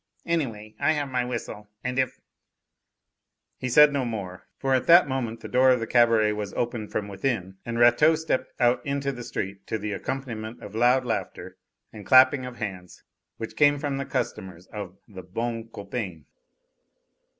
Anyway, I have my whistle, and if " He said no more, for at that moment the door of the cabaret was opened from within and Rateau stepped out into the street, to the accompaniment of loud laughter and clapping of hands which came from the customers of the "Bon Copain."